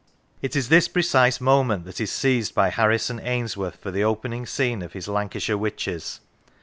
It is this precise moment that is seized by Harrison Ainsworth for the opening scene of his "Lancashire Witches."